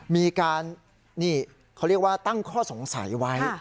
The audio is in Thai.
มีการนี่เขาเรียกว่าตั้งข้อสงสัยไว้